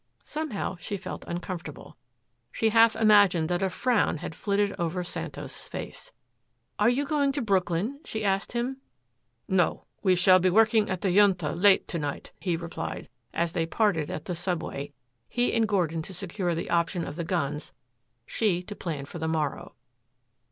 Somehow she felt uncomfortable. She half imagined that a frown had flitted over Santos' face. "Are you going to Brooklyn?" she asked him. "No, we shall be working at the Junta late to night," he replied, as they parted at the subway, he and Gordon to secure the option on the guns, she to plan for the morrow.